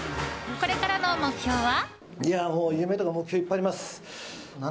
これからの目標は。